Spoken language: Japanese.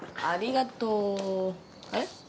ありがとう。あれ？